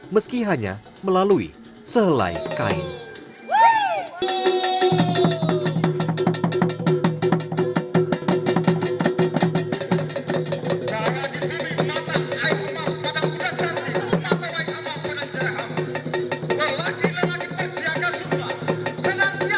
meski hanya melalui selai kain